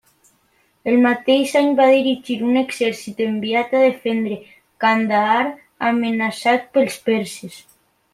El mateix any va dirigir un exèrcit enviat a defendre Kandahar amenaçat pels perses.